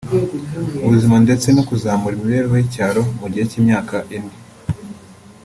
ubuzima ndetse no kuzamura imibereho y’icyaro mu gihe cy’imyaka ine